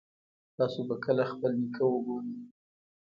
تاسو به کله خپل نیکه وګورئ